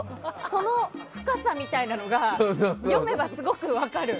その深さみたいなのが読めばすごく分かる。